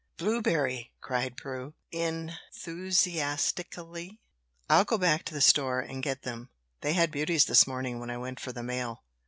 "Blueberry!" cried Prue, enthusiastically. "I'll go back to the store and get them they had beauties this morning when I went for the mail."